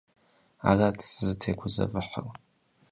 Арат сызытегузэвыхьыр.